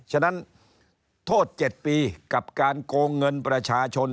ฉะนั้นโทษ๗ปีกับการโกงเงินประชาชน